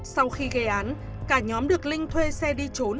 sau khi gây án cả nhóm được linh thuê xe đi trốn